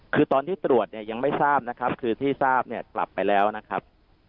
คือตอนที่ตรวจเนี่ยยังไม่ทราบนะครับคือที่ทราบเนี่ยกลับไปแล้วนะครับ